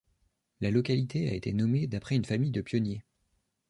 La localité a été nommée d’après une famille de pionniers.